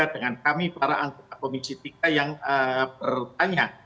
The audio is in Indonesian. dengan kami para anggota komisi tiga yang bertanya